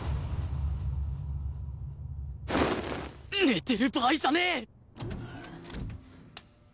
寝てる場合じゃねえ！